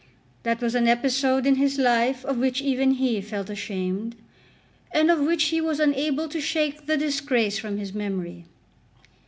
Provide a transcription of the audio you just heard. That was an episode in his life of which even he felt ashamed, and of which he was unable to shake the disgrace from his memory.